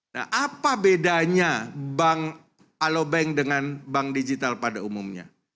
nah apa bedanya bank alobank dengan bank digital pada umumnya